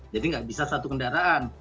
jadi nggak bisa satu kendaraan